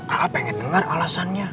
al a pengen dengar alasannya